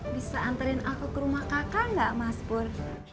bisa anterin aku ke rumah kakak gak mas pur